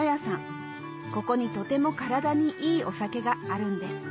ここにとても体にいいお酒があるんです